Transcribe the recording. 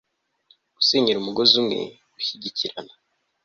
gusenyera umugozi umwe gushyigikirana